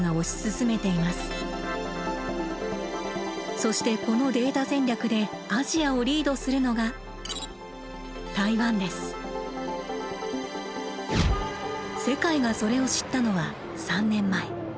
そしてこのデータ戦略でアジアをリードするのが世界がそれを知ったのは３年前。